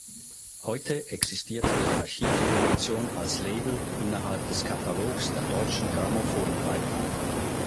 Heute existiert die Archiv Produktion als Label innerhalb des Katalogs der Deutschen Grammophon weiter.